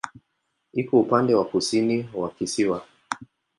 Iko upande wa kusini wa kisiwa.